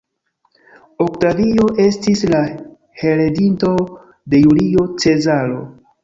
Oktavio estis la heredinto de Julio Cezaro.